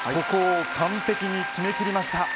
ここを完璧に決め切りました。